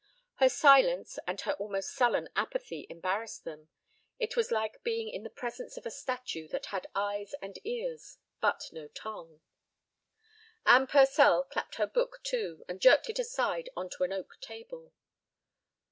Her silence and her almost sullen apathy embarrassed them. It was like being in the presence of a statue that had eyes and ears but no tongue. Anne Purcell clapped her book to, and jerked it aside on to an oak table.